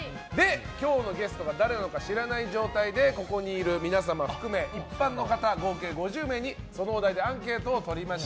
今日のゲストが誰なのか知らない状態でここにいる皆様含め一般の方、合計５０名にそのお題でアンケートを取りました。